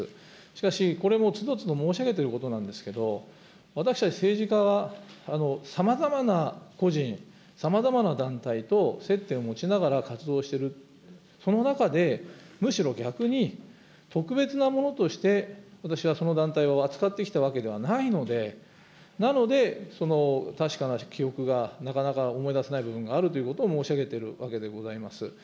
しかし、これもつどつど申し上げていることなんですけれども、私たち政治家はさまざまな個人、さまざまな団体と接点を持ちながら活動をしている、その中で、むしろ逆に、特別なものとして私はその団体を扱ってきたわけではないので、なので、確かな記憶がなかなか思い出せない部分があるということを申し上げているわけでございます。